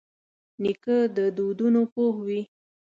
نیکه د دودونو پوه وي.